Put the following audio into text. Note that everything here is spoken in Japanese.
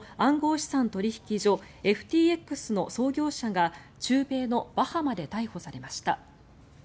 資産取引所ＦＴＸの創業者が中米のバハマで逮捕されました。